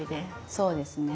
そうですね。